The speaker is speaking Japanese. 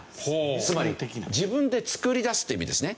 つまり自分で作り出すという意味ですね。